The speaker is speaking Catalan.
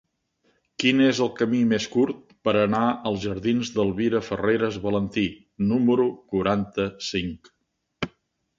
Quin és el camí més curt per anar a la jardins d'Elvira Farreras Valentí número quaranta-cinc?